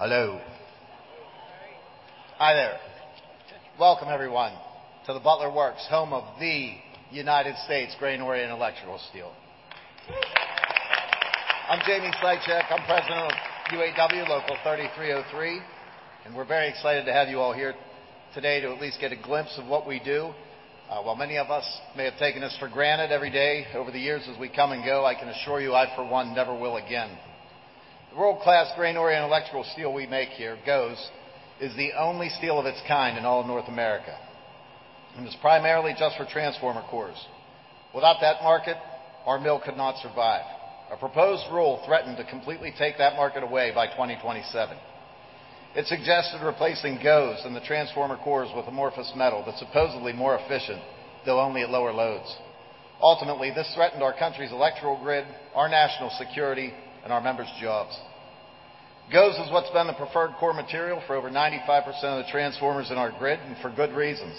Hello. Hi there. Welcome, everyone, to the Butler Works, home of the United States grain-oriented electrical steel. I'm Jamie Sychak. I'm president of UAW Local 3303, and we're very excited to have you all here today to at least get a glimpse of what we do. While many of us may have taken this for granted every day over the years, as we come and go, I can assure you I, for one, never will again. The world-class grain-oriented electrical steel we make here, GOES, is the only steel of its kind in all of North America, and it's primarily just for transformer cores. Without that market, our mill could not survive. A proposed rule threatened to completely take that market away by 2027. It suggested replacing GOES and the transformer cores with amorphous metal that's supposedly more efficient, though only at lower loads. Ultimately, this threatened our country's electrical grid, our national security, and our members' jobs. GOES is what's been the preferred core material for over 95% of the transformers in our grid, and for good reasons.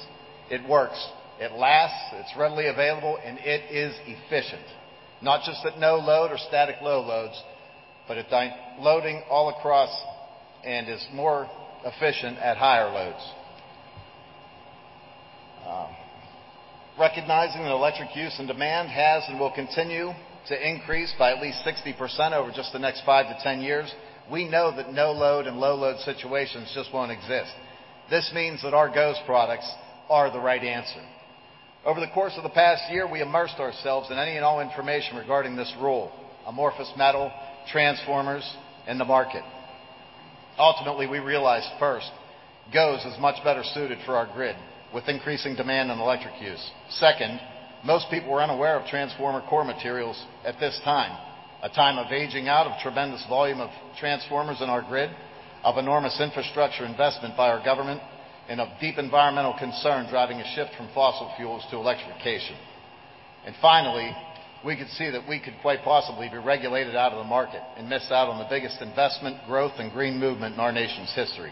It works, it lasts, it's readily available, and it is efficient. Not just at no load or static low loads, but at dynamic loading all across, and is more efficient at higher loads. Recognizing that electric use and demand has and will continue to increase by at least 60% over just the next 5 years-10 years, we know that no load and low load situations just won't exist. This means that our GOES products are the right answer. Over the course of the past year, we immersed ourselves in any and all information regarding this rule, amorphous metal, transformers, and the market. Ultimately, we realized, first, GOES is much better suited for our grid, with increasing demand and electric use. Second, most people were unaware of transformer core materials at this time, a time of aging out, of tremendous volume of transformers in our grid, of enormous infrastructure investment by our government, and of deep environmental concern driving a shift from fossil fuels to electrification. And finally, we could see that we could quite possibly be regulated out of the market and miss out on the biggest investment, growth, and green movement in our nation's history,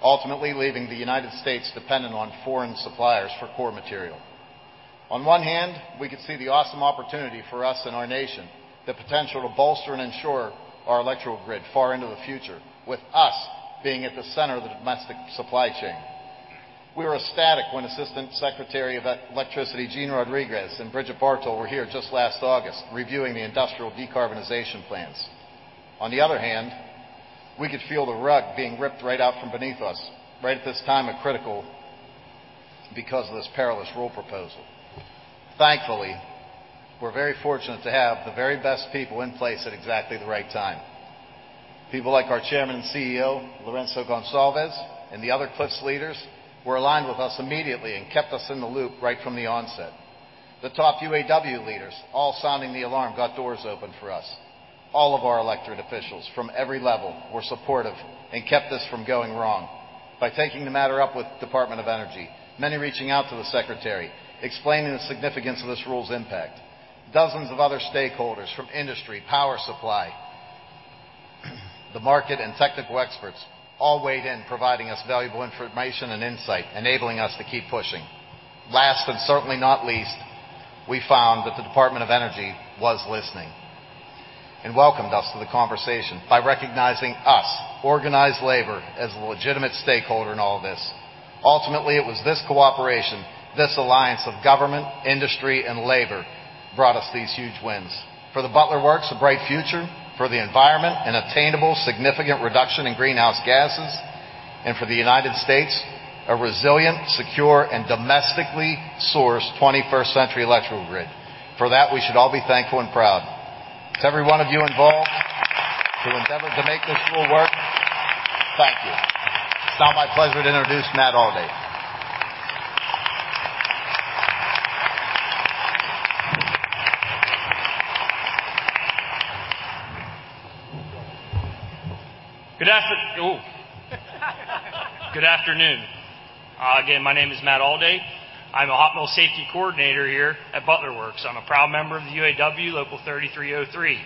ultimately leaving the United States dependent on foreign suppliers for core material. On one hand, we could see the awesome opportunity for us and our nation, the potential to bolster and ensure our electrical grid far into the future, with us being at the center of the domestic supply chain. We were ecstatic when Assistant Secretary for Electricity, Gene Rodrigues, and Bridget Bartol were here just last August, reviewing the industrial decarbonization plans. On the other hand, we could feel the rug being ripped right out from beneath us, right at this time of critical, because of this perilous rule proposal. Thankfully, we're very fortunate to have the very best people in place at exactly the right time. People like our Chairman and CEO, Lourenco Goncalves, and the other Cliffs leaders, were aligned with us immediately and kept us in the loop right from the onset. The top UAW leaders, all sounding the alarm, got doors open for us. All of our elected officials from every level were supportive and kept us from going wrong by taking the matter up with Department of Energy, many reaching out to the Secretary, explaining the significance of this rule's impact. Dozens of other stakeholders from industry, power supply, the market, and technical experts all weighed in, providing us valuable information and insight, enabling us to keep pushing. Last, but certainly not least, we found that the Department of Energy was listening, and welcomed us to the conversation by recognizing us, organized labor, as a legitimate stakeholder in all of this. Ultimately, it was this cooperation, this alliance of government, industry, and labor, brought us these huge wins. For the Butler Works, a bright future. For the environment, an attainable, significant reduction in greenhouse gases. And for the United States, a resilient, secure, and domestically sourced 21st-century electrical grid. For that, we should all be thankful and proud. To every one of you involved, to endeavor to make this rule work, thank you. It's now my pleasure to introduce Matt Alday. Good afternoon. Again, my name is Matt Alday. I'm a hot mill safety coordinator here at Butler Works. I'm a proud member of the UAW Local 3303.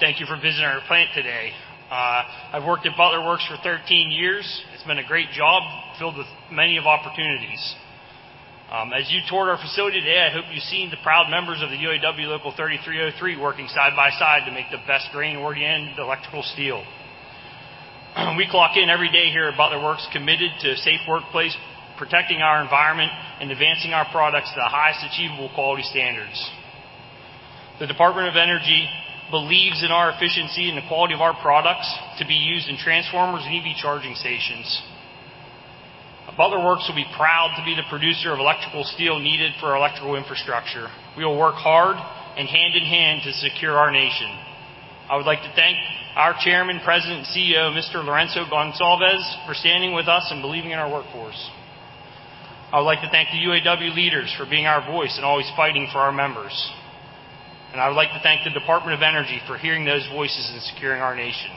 Thank you for visiting our plant today. I've worked at Butler Works for 13 years. It's been a great job, filled with many of opportunities. As you toured our facility today, I hope you've seen the proud members of the UAW Local 3303, working side by side to make the best Grain-Oriented Electrical Steel. We clock in every day here at Butler Works, committed to a safe workplace, protecting our environment, and advancing our products to the highest achievable quality standards. The Department of Energy believes in our efficiency and the quality of our products to be used in transformers and EV charging stations. Butler Works will be proud to be the producer of electrical steel needed for our electrical infrastructure. We will work hard and hand in hand to secure our nation. I would like to thank our Chairman, President, and CEO, Mr. Lourenco Goncalves., for standing with us and believing in our workforce. I would like to thank the UAW leaders for being our voice and always fighting for our members. And I would like to thank the Department of Energy for hearing those voices and securing our nation.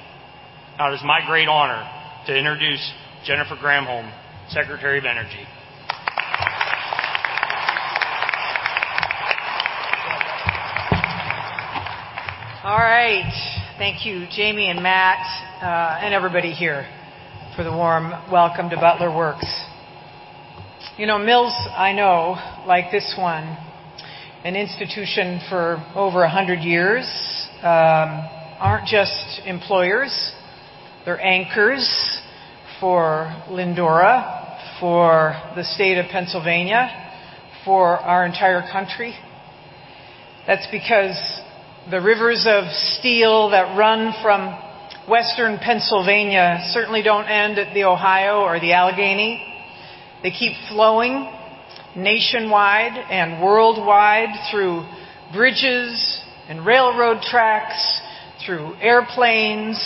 Now, it is my great honor to introduce Jennifer Granholm, Secretary of Energy. All right. Thank you, Jamie and Matt, and everybody here for the warm welcome to Butler Works.... You know, mills, I know, like this one, an institution for over 100 years, aren't just employers. They're anchors for Lyndora, for the state of Pennsylvania, for our entire country. That's because the rivers of steel that run from Western Pennsylvania certainly don't end at the Ohio or the Allegheny. They keep flowing nationwide and worldwide through bridges and railroad tracks, through airplanes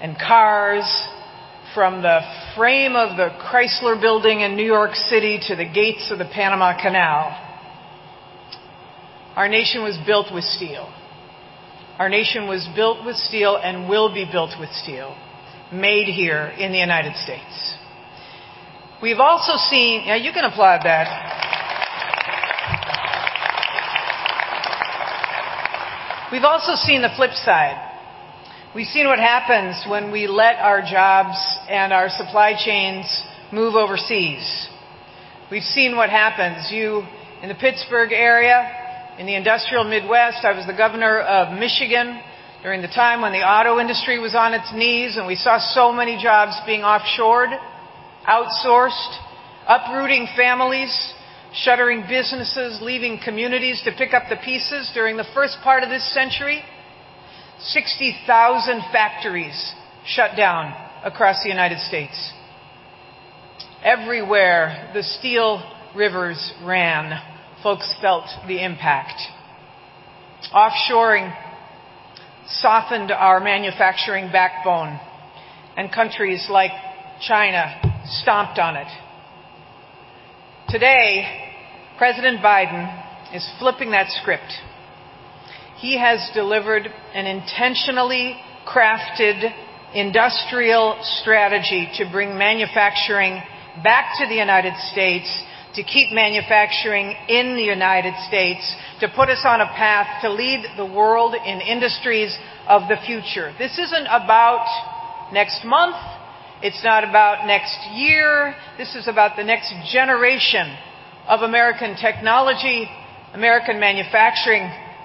and cars, from the frame of the Chrysler Building in New York City to the gates of the Panama Canal. Our nation was built with steel. Our nation was built with steel and will be built with steel, made here in the United States. We've also seen. Yeah, you can applaud that. We've also seen the flip side. We've seen what happens when we let our jobs and our supply chains move overseas. We've seen what happens. You, in the Pittsburgh area, in the industrial Midwest, I was the governor of Michigan during the time when the auto industry was on its knees, and we saw so many jobs being offshored, outsourced, uprooting families, shuttering businesses, leaving communities to pick up the pieces during the first part of this century. 60,000 factories shut down across the United States. Everywhere the steel rivers ran, folks felt the impact. Offshoring softened our manufacturing backbone, and countries like China stomped on it. Today, President Biden is flipping that script. He has delivered an intentionally crafted industrial strategy to bring manufacturing back to the United States, to keep manufacturing in the United States, to put us on a path to lead the world in industries of the future. This isn't about next month, it's not about next year. This is about the next generation of American technology, American manufacturing,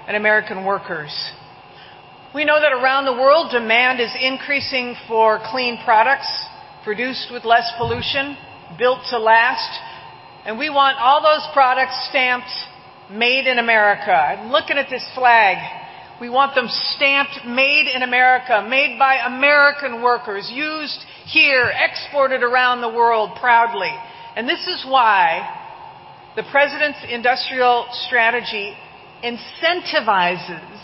and American workers. We know that around the world, demand is increasing for clean products produced with less pollution, built to last, and we want all those products stamped, "Made in America." I'm looking at this flag. We want them stamped, "Made in America," made by American workers, used here, exported around the world proudly. And this is why the President's industrial strategy incentivizes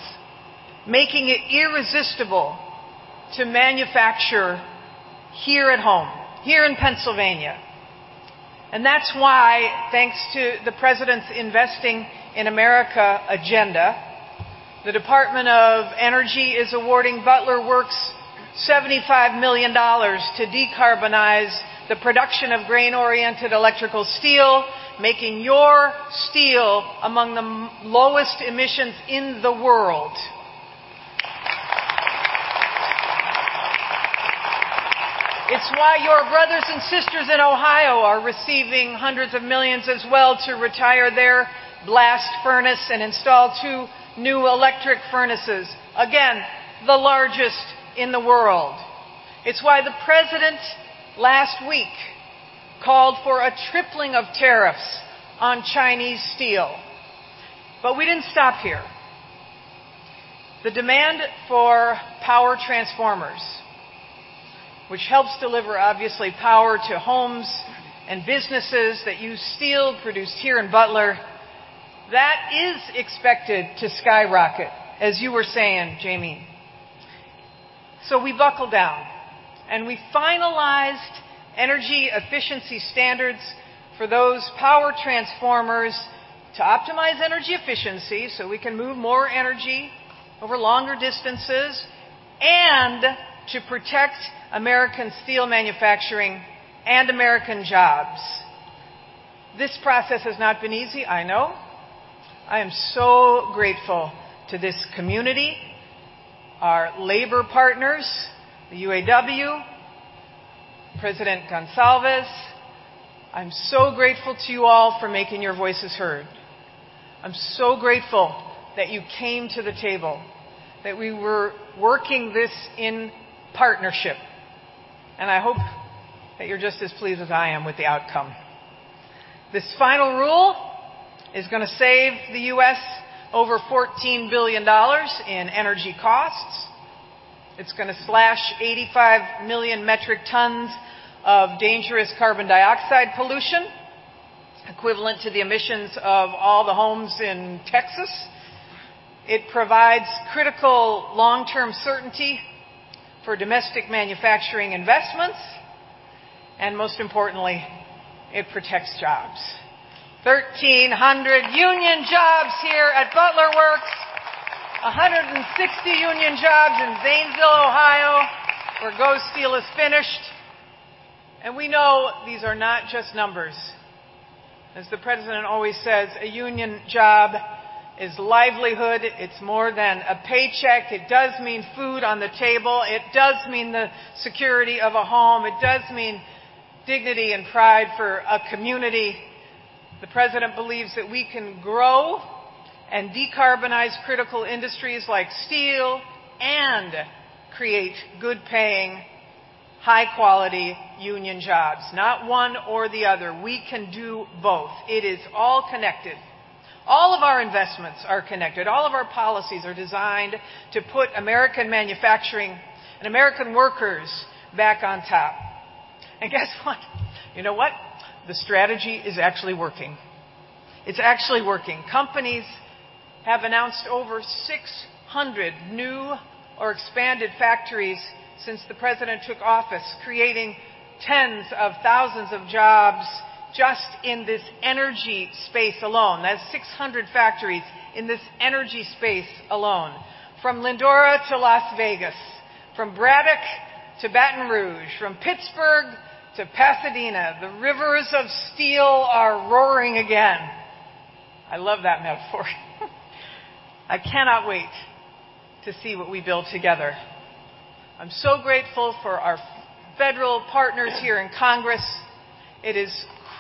making it irresistible to manufacture here at home, here in Pennsylvania. And that's why, thanks to the President's Investing in America agenda, the Department of Energy is awarding Butler Works $75 million to decarbonize the production of grain-oriented electrical steel, making your steel among the lowest emissions in the world. It's why your brothers and sisters in Ohio are receiving hundreds of millions as well to retire their last furnace and install two new electric furnaces. Again, the largest in the world. It's why the President, last week, called for a tripling of tariffs on Chinese steel. But we didn't stop here. The demand for power transformers, which helps deliver, obviously, power to homes and businesses that use steel produced here in Butler, that is expected to skyrocket, as you were saying, Jamie. So we buckled down, and we finalized energy efficiency standards for those power transformers to optimize energy efficiency, so we can move more energy over longer distances, and to protect American steel manufacturing and American jobs. This process has not been easy, I know. I am so grateful to this community, our labor partners, the UAW, President Goncalves. I'm so grateful to you all for making your voices heard. I'm so grateful that you came to the table, that we were working this in partnership, and I hope that you're just as pleased as I am with the outcome. This final rule is gonna save the U.S. over $14 billion in energy costs. It's gonna slash 85 million metric tons of dangerous carbon dioxide pollution, equivalent to the emissions of all the homes in Texas. It provides critical long-term certainty for domestic manufacturing investments, and most importantly, it protects jobs. 1,300 union jobs here at Butler Works, 160 union jobs in Zanesville, Ohio, where GOES steel is finished. And we know these are not just numbers. As the President always says, "A union job is livelihood. It's more than a paycheck. It does mean food on the table. It does mean the security of a home. It does mean dignity and pride for a community. The president believes that we can grow and decarbonize critical industries like steel and create good-paying, high-quality union jobs, not one or the other. We can do both. It is all connected. All of our investments are connected. All of our policies are designed to put American manufacturing and American workers back on top. And guess what? You know what? The strategy is actually working. It's actually working. Companies have announced over 600 new or expanded factories since the president took office, creating tens of thousands of jobs just in this energy space alone. That's 600 factories in this energy space alone. From Lyndora to Las Vegas, from Braddock to Baton Rouge, from Pittsburgh to Pasadena, the rivers of steel are roaring again. I love that metaphor. I cannot wait to see what we build together. I'm so grateful for our federal partners here in Congress. It is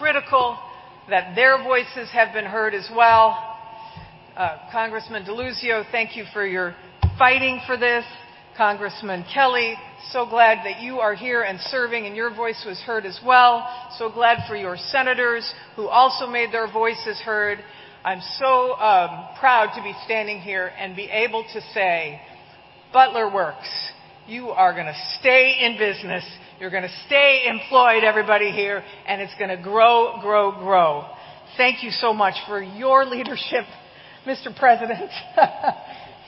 critical that their voices have been heard as well. Congressman Deluzio, thank you for your fighting for this. Congressman Kelly, so glad that you are here and serving, and your voice was heard as well. So glad for your senators, who also made their voices heard. I'm so proud to be standing here and be able to say, "Butler Works, you are gonna stay in business, you're gonna stay employed, everybody here, and it's gonna grow, grow, grow." Thank you so much for your leadership, Mr. President.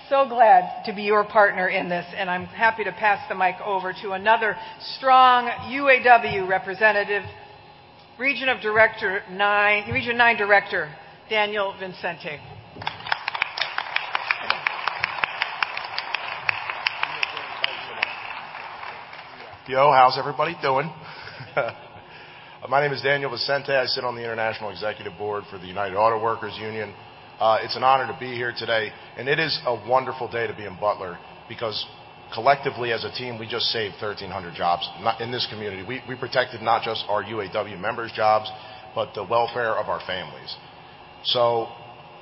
So glad to be your partner in this, and I'm happy to pass the mic over to another strong UAW representative, Region 9 Director, Daniel Vicente. Yo, how's everybody doing? My name is Daniel Vicente. I sit on the International Executive Board for the United Auto Workers Union. It's an honor to be here today, and it is a wonderful day to be in Butler because collectively, as a team, we just saved 1,300 jobs, not... in this community. We protected not just our UAW members' jobs, but the welfare of our families. So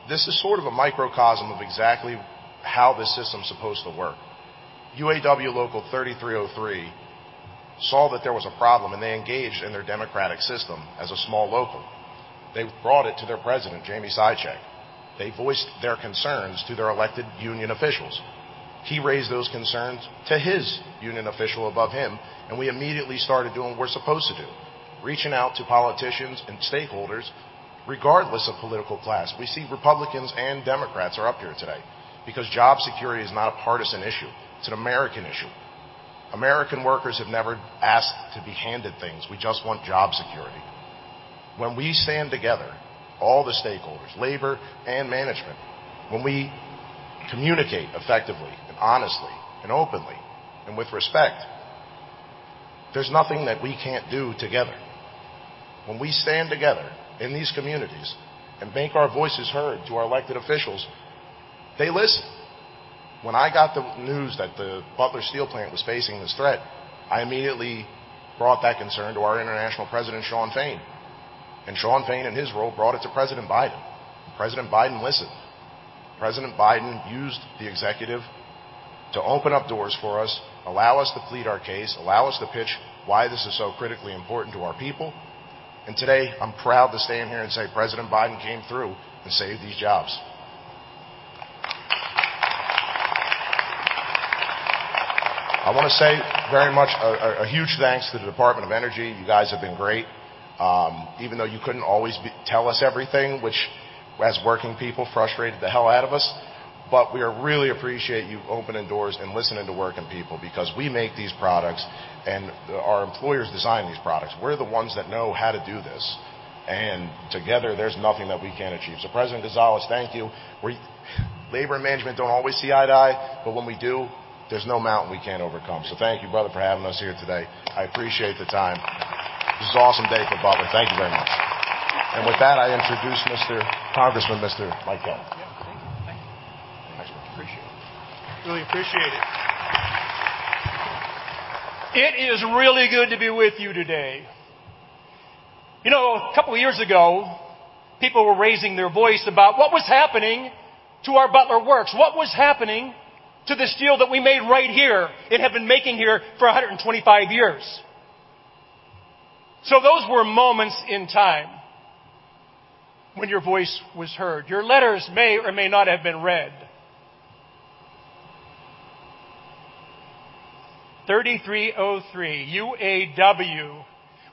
this is sort of a microcosm of exactly how the system's supposed to work. UAW Local 3303 saw that there was a problem, and they engaged in their democratic system as a small local. They brought it to their president, Jamie Sychak. They voiced their concerns to their elected union officials. He raised those concerns to his union official above him, and we immediately started doing what we're supposed to do, reaching out to politicians and stakeholders, regardless of political class. We see Republicans and Democrats are up here today because job security is not a partisan issue. It's an American issue. American workers have never asked to be handed things. We just want job security. When we stand together, all the stakeholders, labor and management, when we communicate effectively and honestly and openly and with respect, there's nothing that we can't do together. When we stand together in these communities and make our voices heard to our elected officials, they listen. When I got the news that the Butler steel plant was facing this threat, I immediately brought that concern to our International President, Shawn Fain, and Shawn Fain, in his role, brought it to President Biden. President Biden listened. President Biden used the executive to open up doors for us, allow us to plead our case, allow us to pitch why this is so critically important to our people, and today, I'm proud to stand here and say President Biden came through and saved these jobs. I wanna say very much a huge thanks to the Department of Energy. You guys have been great, even though you couldn't always tell us everything, which, as working people, frustrated the hell out of us. But we are really appreciate you opening doors and listening to working people because we make these products, and our employers design these products. We're the ones that know how to do this, and together, there's nothing that we can't achieve. So, President Goncalves, thank you. Labor and management don't always see eye to eye, but when we do, there's no mountain we can't overcome. So thank you, brother, for having us here today. I appreciate the time. This is an awesome day for Butler. Thank you very much. And with that, I introduce Mr. Congressman, Mr. Mike Kelly. Yeah, thank you. Thank you. I appreciate it. Really appreciate it. It is really good to be with you today. You know, a couple of years ago, people were raising their voice about what was happening to our Butler Works, what was happening to the steel that we made right here, and had been making here for 125 years. So those were moments in time when your voice was heard. Your letters may or may not have been read. 3303, UAW,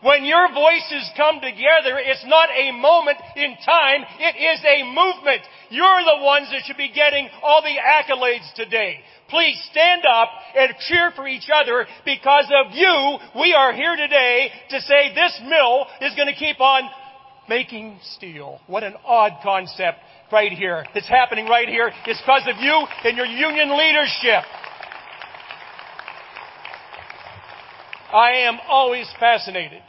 when your voices come together, it's not a moment in time, it is a movement. You're the ones that should be getting all the accolades today. Please stand up and cheer for each other. Because of you, we are here today to say this mill is gonna keep on making steel. What an odd concept right here. It's happening right here. It's because of you and your union leadership! I am always fascinated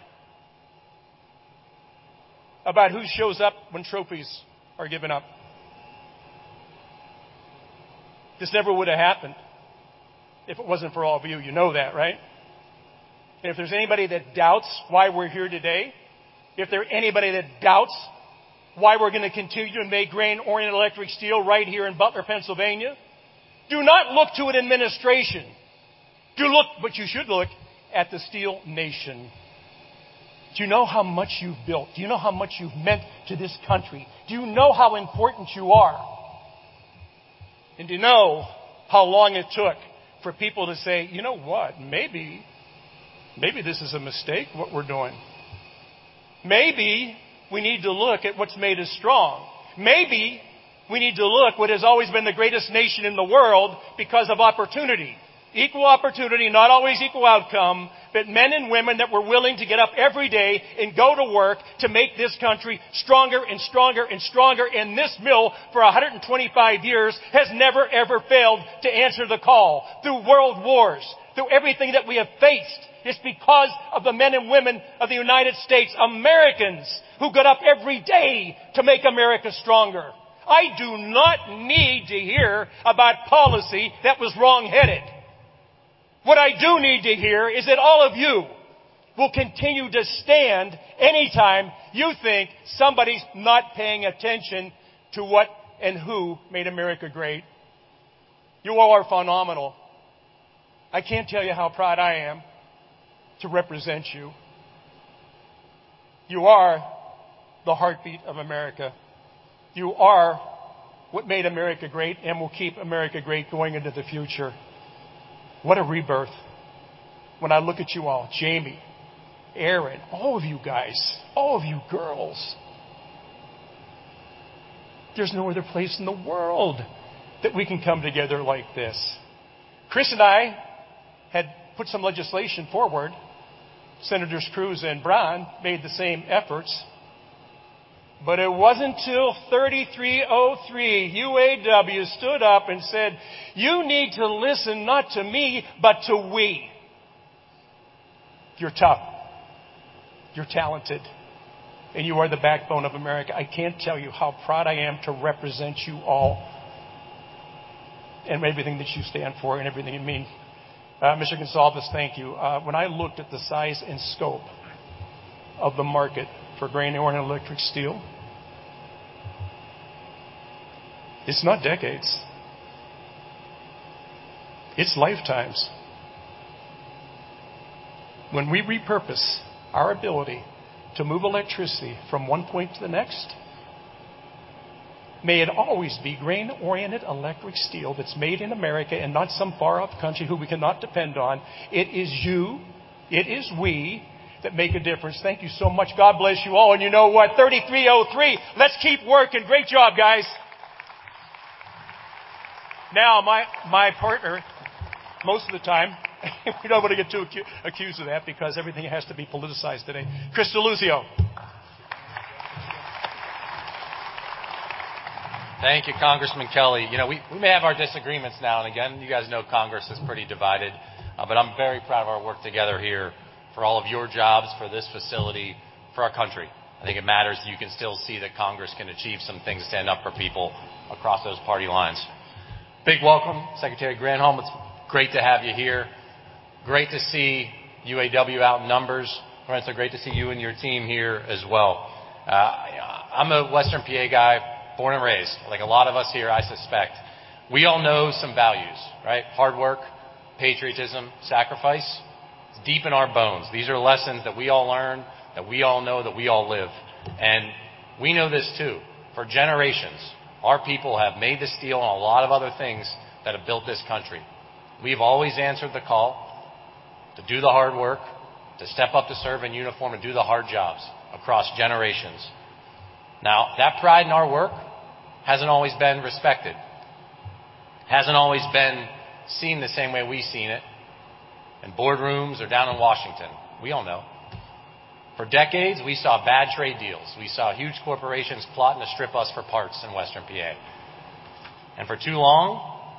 about who shows up when trophies are given out. This never would have happened if it wasn't for all of you. You know that, right? If there's anybody that doubts why we're here today, if there are anybody that doubts why we're gonna continue to make grain-oriented electrical steel right here in Butler, Pennsylvania, do not look to an administration. Do look. But you should look at the steel nation. Do you know how much you've built? Do you know how much you've meant to this country? Do you know how important you are? And do you know how long it took for people to say, "You know what? Maybe, maybe this is a mistake, what we're doing. Maybe we need to look at what's made us strong. Maybe we need to look what has always been the greatest nation in the world because of opportunity." Equal opportunity, not always equal outcome, but men and women that were willing to get up every day and go to work to make this country stronger and stronger and stronger. And this mill, for 125 years, has never, ever failed to answer the call. Through world wars, through everything that we have faced, it's because of the men and women of the United States, Americans, who got up every day to make America stronger. I do not need to hear about policy that was wrong-headed. What I do need to hear is that all of you will continue to stand anytime you think somebody's not paying attention to what and who made America great. You all are phenomenal. I can't tell you how proud I am to represent you. You are the heartbeat of America. You are what made America great and will keep America great going into the future. What a rebirth! When I look at you all, Jamie, Aaron, all of you guys, all of you girls, there's no other place in the world that we can come together like this. Chris and I had put some legislation forward. Senators Cruz and Braun made the same efforts, but it wasn't until 3303, UAW stood up and said, "You need to listen, not to me, but to we." You're tough, you're talented, and you are the backbone of America. I can't tell you how proud I am to represent you all, and everything that you stand for, and everything you mean. Mr. Goncalves, thank you. When I looked at the size and scope of the market for Grain-Oriented Electrical Steel, it's not decades, it's lifetimes. When we repurpose our ability to move electricity from one point to the next, may it always be grain-oriented electrical steel that's made in America and not some far-off country who we cannot depend on. It is you, it is we, that make a difference. Thank you so much. God bless you all. And you know what? 3303, let's keep working. Great job, guys. Now, my partner, most of the time, we don't want to get too accused of that because everything has to be politicized today. Chris Deluzio. Thank you, Congressman Kelly. You know, we may have our disagreements now and again. You guys know Congress is pretty divided, but I'm very proud of our work together here for all of your jobs, for this facility, for our country. I think it matters that you can still see that Congress can achieve some things to stand up for people across those party lines. Big welcome, Secretary Granholm. It's great to have you here. Great to see UAW out in numbers. Lourenco, great to see you and your team here as well. I'm a Western PA guy, born and raised, like a lot of us here, I suspect. We all know some values, right? Hard work, patriotism, sacrifice. It's deep in our bones. These are lessons that we all learn, that we all know, that we all live. And we know this, too. For generations, our people have made the steel and a lot of other things that have built this country. We've always answered the call to do the hard work, to step up to serve in uniform and do the hard jobs across generations. Now, that pride in our work hasn't always been respected, hasn't always been seen the same way we've seen it in boardrooms or down in Washington. We all know. For decades, we saw bad trade deals. We saw huge corporations plotting to strip us for parts in Western PA. And for too long,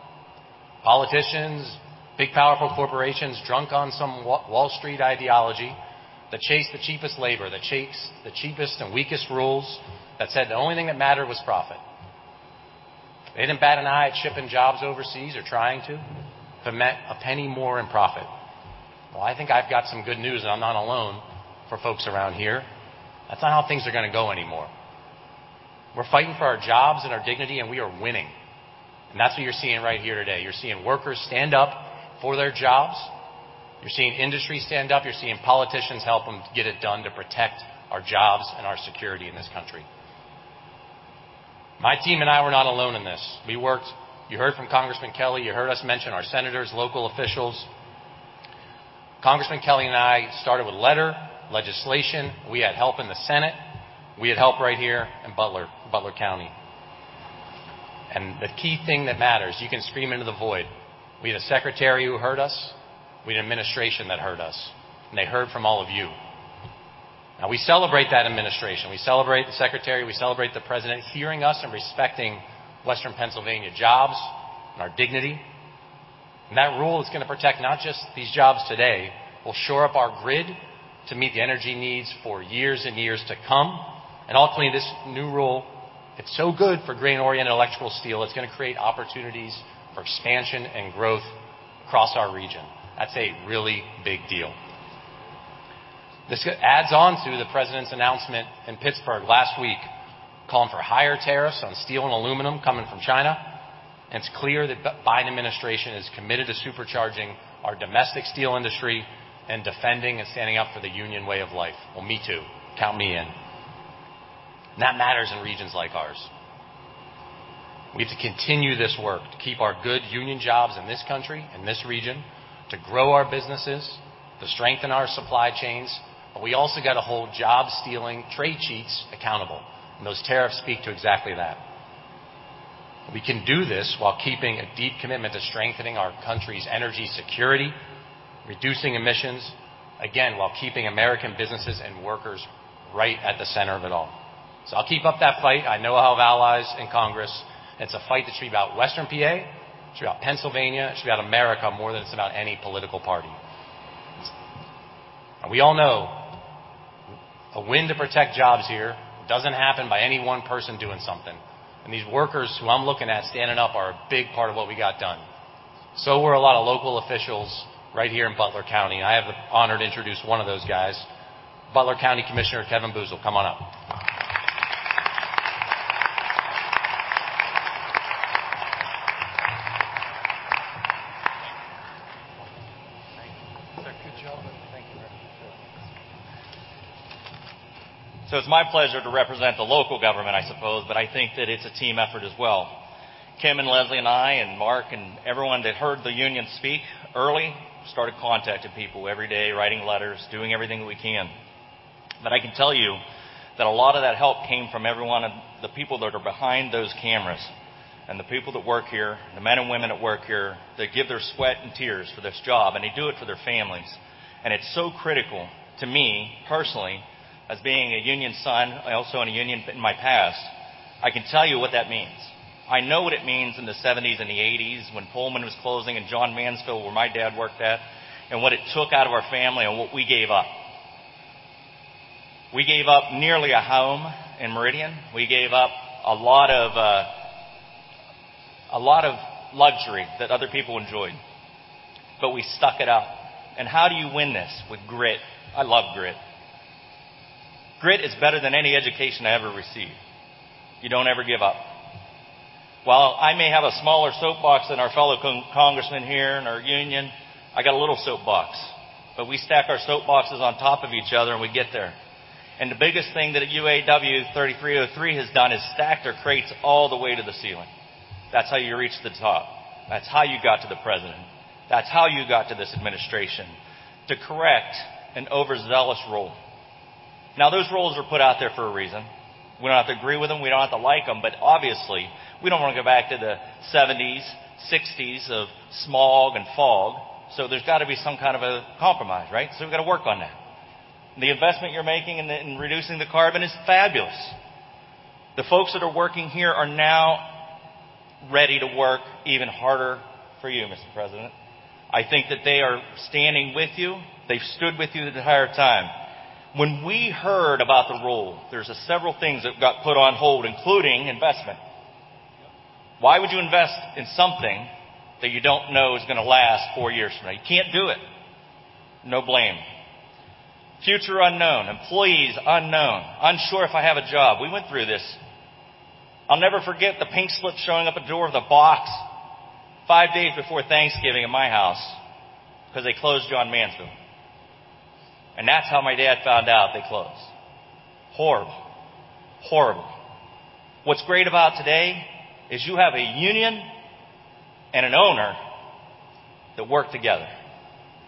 politicians, big, powerful corporations, drunk on some Wall Street ideology, that chase the cheapest labor, that chase the cheapest and weakest rules, that said the only thing that mattered was profit. They didn't bat an eye at shipping jobs overseas or trying to, if it meant a penny more in profit. Well, I think I've got some good news, and I'm not alone for folks around here. That's not how things are gonna go anymore. We're fighting for our jobs and our dignity, and we are winning. And that's what you're seeing right here today. You're seeing workers stand up for their jobs. You're seeing industry stand up. You're seeing politicians help them get it done to protect our jobs and our security in this country. My team and I, we're not alone in this. We worked... You heard from Congressman Kelly. You heard us mention our senators, local officials. Congressman Kelly and I started with letter, legislation. We had help in the Senate. We had help right here in Butler, Butler County. And the key thing that matters, you can scream into the void. We had a secretary who heard us, we had an administration that heard us, and they heard from all of you.... Now, we celebrate that administration. We celebrate the secretary, we celebrate the president, hearing us and respecting Western Pennsylvania jobs and our dignity. And that rule is going to protect not just these jobs today, will shore up our grid to meet the energy needs for years and years to come. And ultimately, this new rule, it's so good for Grain-Oriented Electrical Steel. It's going to create opportunities for expansion and growth across our region. That's a really big deal. This adds on to the president's announcement in Pittsburgh last week, calling for higher tariffs on steel and aluminum coming from China. And it's clear that the Biden administration is committed to supercharging our domestic steel industry and defending and standing up for the union way of life. Well, me too. Count me in. That matters in regions like ours. We have to continue this work to keep our good union jobs in this country and this region, to grow our businesses, to strengthen our supply chains, but we also got to hold job-stealing trade cheats accountable, and those tariffs speak to exactly that. We can do this while keeping a deep commitment to strengthening our country's energy security, reducing emissions, again, while keeping American businesses and workers right at the center of it all. So I'll keep up that fight. I know I have allies in Congress. It's a fight that should be about Western PA, it should be about Pennsylvania, it should be about America more than it's about any political party. And we all know a win to protect jobs here doesn't happen by any one person doing something. These workers who I'm looking at standing up are a big part of what we got done. So were a lot of local officials right here in Butler County, and I have the honor to introduce one of those guys, Butler County Commissioner, Kevin Boozel. Come on up. Thank you, Secretary Deluzio. Thank you. So it's my pleasure to represent the local government, I suppose, but I think that it's a team effort as well. Kim and Leslie and I, and Mark and everyone that heard the union speak early, started contacting people every day, writing letters, doing everything we can. But I can tell you that a lot of that help came from everyone, and the people that are behind those cameras, and the people that work here, the men and women that work here, they give their sweat and tears for this job, and they do it for their families. And it's so critical to me personally, as being a union son, also in a union in my past, I can tell you what that means. I know what it means in the 1970s and the 1980s, when Pullman was closing in Johns Manville, where my dad worked at, and what it took out of our family and what we gave up. We gave up nearly a home in Meridian. We gave up a lot of, a lot of luxury that other people enjoyed, but we stuck it out. And how do you win this? With grit. I love grit. Grit is better than any education I ever received. You don't ever give up. While I may have a smaller soapbox than our fellow congressman here in our union, I got a little soapbox, but we stack our soapboxes on top of each other, and we get there. And the biggest thing that UAW 3303 has done is stacked their crates all the way to the ceiling. That's how you reach the top. That's how you got to the president. That's how you got to this administration to correct an overzealous rule. Now, those rules were put out there for a reason. We don't have to agree with them, we don't have to like them, but obviously, we don't want to go back to the '70s, '60s of smog and fog. So there's got to be some kind of a compromise, right? So we've got to work on that. The investment you're making in reducing the carbon is fabulous. The folks that are working here are now ready to work even harder for you, Mr. President. I think that they are standing with you. They've stood with you the entire time. When we heard about the rule, there's several things that got put on hold, including investment. Why would you invest in something that you don't know is gonna last four years from now? You can't do it. No blame. Future unknown, employees unknown. Unsure if I have a job. We went through this. I'll never forget the pink slip showing up at the door of the box five days before Thanksgiving at my house because they closed Johns Manville. And that's how my dad found out they closed. Horrible. Horrible. What's great about today is you have a union and an owner that work together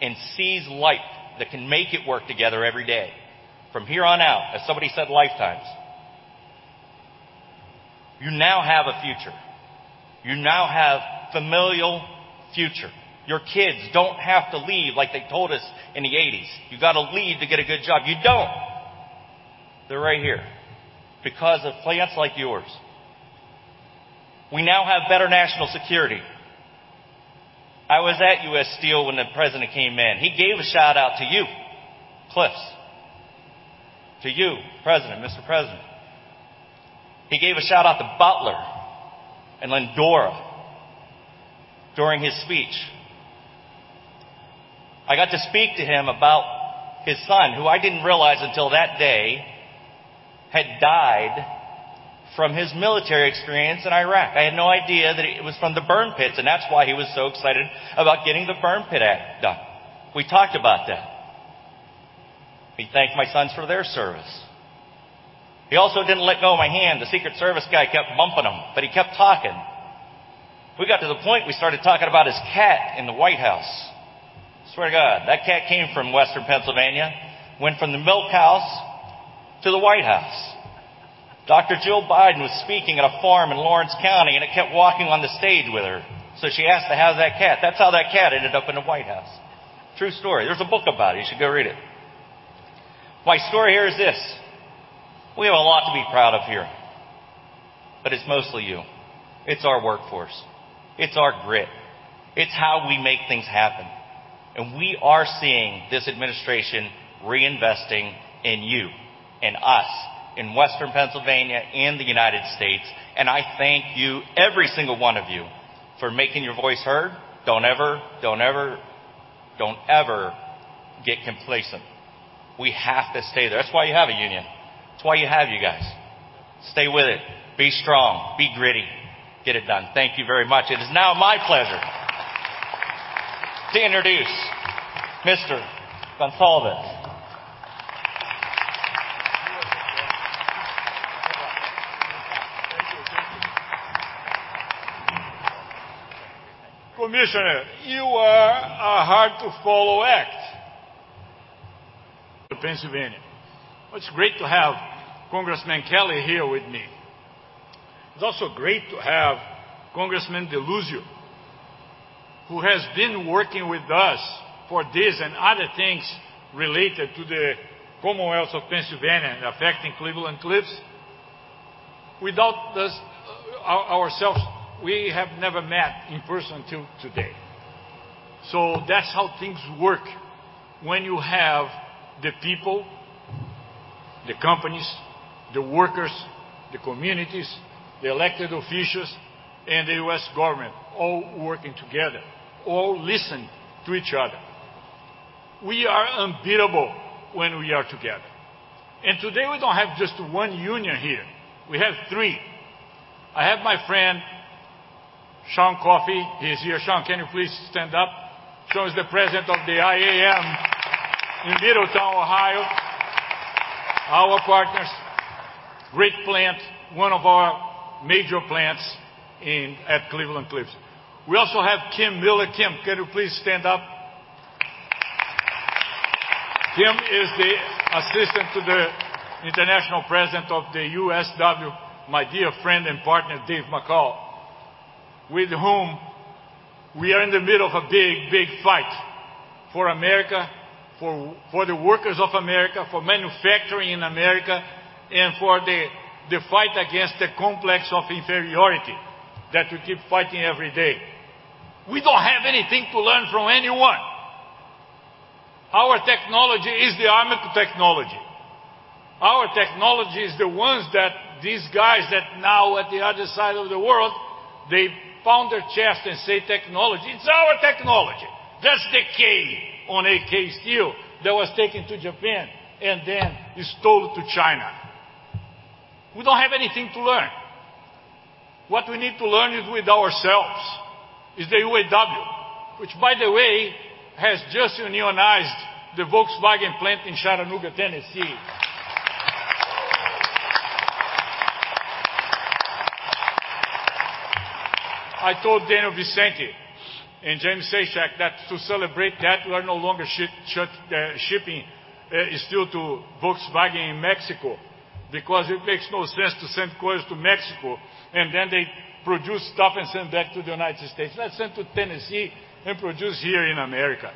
and sees light that can make it work together every day from here on out, as somebody said, lifetimes. You now have a future. You now have familial future. Your kids don't have to leave like they told us in the 1980s, "You got to leave to get a good job." You don't. They're right here because of plants like yours. We now have better national security. I was at U.S. Steel when the President came in. He gave a shout-out to you, Cliffs. To you, President, Mr. President. He gave a shout-out to Butler and Lyndora during his speech. I got to speak to him about his son, who I didn't realize until that day, had died from his military experience in Iraq. I had no idea that it was from the burn pits, and that's why he was so excited about getting the Burn Pit Act done. We talked about that. He thanked my sons for their service. He also didn't let go of my hand. The Secret Service guy kept bumping him, but he kept talking. We got to the point, we started talking about his cat in the White House. Swear to God, that cat came from Western Pennsylvania, went from the milk house to the White House. Dr. Jill Biden was speaking at a farm in Lawrence County, and it kept walking on the stage with her. So she asked to have that cat. That's how that cat ended up in the White House. True story. There's a book about it. You should go read it. My story here is this: we have a lot to be proud of here, but it's mostly you. It's our workforce, it's our grit, it's how we make things happen, and we are seeing this administration reinvesting in you and us, in Western Pennsylvania and the United States. I thank you, every single one of you, for making your voice heard. Don't ever, don't ever, don't ever get complacent. We have to stay there. That's why you have a union. That's why you have you guys. Stay with it. Be strong, be gritty. Get it done. Thank you very much. It is now my pleasure to introduce Mr. Goncalves. Commissioner, you are a hard act to follow to Pennsylvania. It's great to have Congressman Kelly here with me. It's also great to have Congressman Deluzio, who has been working with us for this and other things related to the Commonwealth of Pennsylvania and affecting Cleveland-Cliffs. Without us, ourselves, we have never met in person until today. So that's how things work when you have the people, the companies, the workers, the communities, the elected officials, and the U.S. government all working together, all listening to each other. We are unbeatable when we are together, and today we don't have just one union here, we have three. I have my friend, Shawn Coffey. He is here. Shawn, can you please stand up? Shawn is the President of the IAM in Middletown, Ohio, our partners. Great plant, one of our major plants in at Cleveland-Cliffs. We also have Kim Miller. Kim, can you please stand up? Kim is the Assistant to the International President of the USW, my dear friend and partner, Dave McCall, with whom we are in the middle of a big, big fight for America, for, for the workers of America, for manufacturing in America, and for the, the fight against the complex of inferiority that we keep fighting every day. We don't have anything to learn from anyone. Our technology is the Armco technology. Our technology is the ones that these guys that now at the other side of the world, they pound their chest and say, "Technology," it's our technology. That's the K on AK Steel that was taken to Japan and then stolen to China. We don't have anything to learn. What we need to learn is with ourselves, is the UAW, which, by the way, has just unionized the Volkswagen plant in Chattanooga, Tennessee. I told Daniel Vicente and Jamie Sychak that to celebrate that, we are no longer shipping steel to Volkswagen in Mexico, because it makes no sense to send cars to Mexico, and then they produce stuff and send back to the United States. Let's send to Tennessee and produce here in America.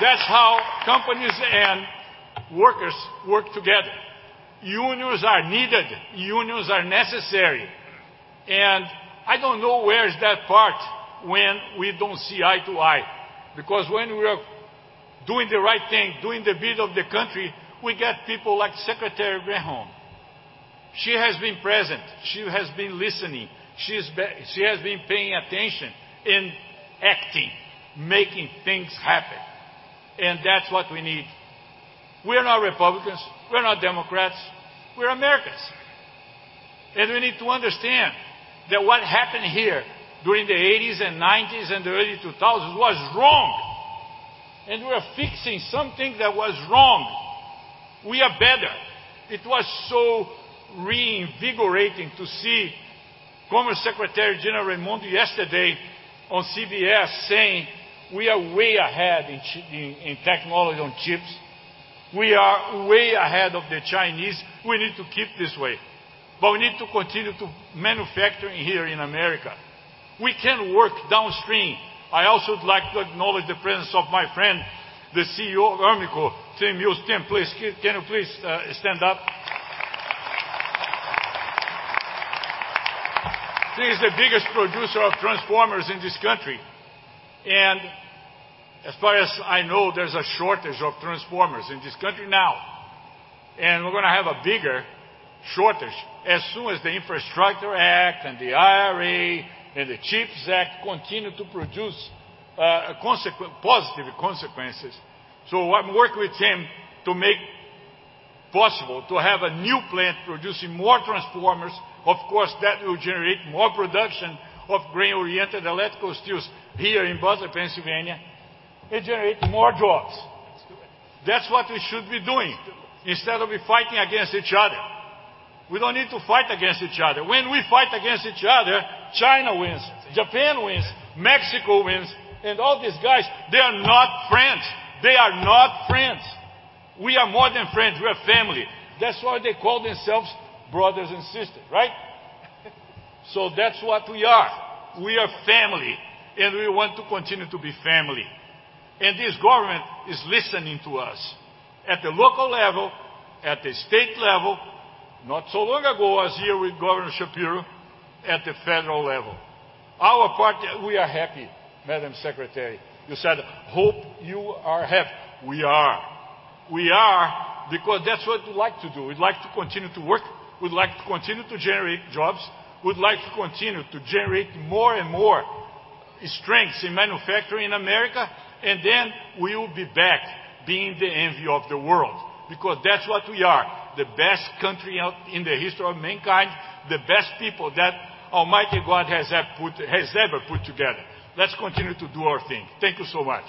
That's how companies and workers work together. Unions are needed. Unions are necessary, and I don't know where is that part when we don't see eye to eye, because when we are doing the right thing, doing the good of the country, we get people like Secretary Granholm. She has been present, she has been listening, she has been paying attention and acting, making things happen, and that's what we need. We are not Republicans, we are not Democrats, we're Americans, and we need to understand that what happened here during the 1980s and 1990s and the early 2000s was wrong, and we are fixing something that was wrong. We are better. It was so reinvigorating to see Commerce Secretary Gina Raimondo yesterday on CBS, saying, "We are way ahead in technology on chips. We are way ahead of the Chinese." We need to keep this way, but we need to continue to manufacturing here in America. We can work downstream. I also would like to acknowledge the presence of my friend, the CEO of ERMCO, Tim Mills. Tim, please, can you please stand up? He is the biggest producer of transformers in this country, and as far as I know, there's a shortage of transformers in this country now, and we're gonna have a bigger shortage as soon as the Infrastructure Act, and the IRA, and the Chips Act continue to produce, consequent, positive consequences. So I'm working with him to make possible to have a new plant producing more transformers. Of course, that will generate more production of Grain-Oriented Electrical steels here in Butler, Pennsylvania, and generate more jobs. Let's do it. That's what we should be doing- Let's do it. Instead of being fighting against each other. We don't need to fight against each other. When we fight against each other, China wins, Japan wins, Mexico wins, and all these guys, they are not friends. They are not friends. We are more than friends. We are family. That's why they call themselves brothers and sisters, right? So that's what we are. We are family, and we want to continue to be family. And this government is listening to us at the local level, at the state level. Not so long ago, I was here with Governor Shapiro at the federal level. Our part, we are happy, Madam Secretary. You said, "Hope you are happy." We are. We are, because that's what we like to do. We'd like to continue to work. We'd like to continue to generate jobs. We'd like to continue to generate more and more strengths in manufacturing in America, and then we will be back, being the envy of the world, because that's what we are, the best country in the history of mankind, the best people that Almighty God has ever put together. Let's continue to do our thing. Thank you so much.